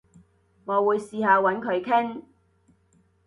我會試下搵佢傾